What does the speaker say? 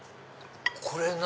これ何？